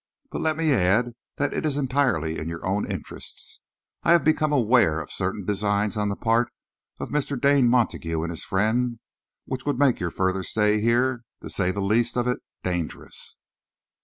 But let me add that it is entirely in your own interests. I have become aware of certain designs on the part of Mr. Dane Montague and his friend, which would make your further stay here, to say the least of it, dangerous."